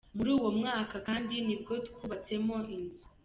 Muri uwo mwaka kandi ni bwo twubatsemo inzu.